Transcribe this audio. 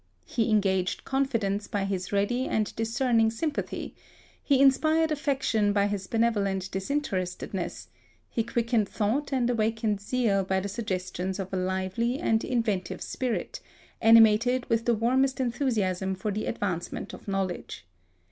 He engaged confidence by his ready and discerning sympathy; he inspired affection by his benevolent disinterestedness; he quickened thought and awakened zeal by the suggestions of a lively and inventive spirit, animated with the warmest enthusiasm for the advancement of knowledge.